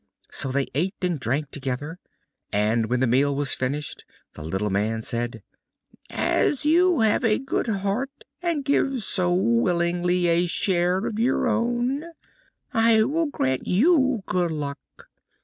So they ate and drank together, and when the meal was finished, the little man said: "As you have a good heart and give so willingly a share of your own, I will grant you good luck.